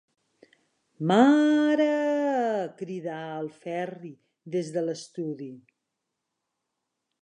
Maaaareee! –cridà el Ferri des de l'estudi–.